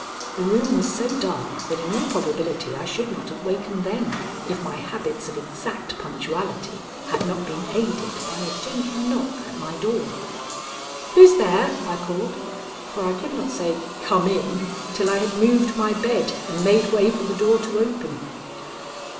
The room was so dark that in all probability I should not have wakened then, if my habits of exact punctuality had not been aided by a gentle knock at my door. "Who's there?" I called, for I could not say "Come in" till I had moved my bed and made way for the door to open.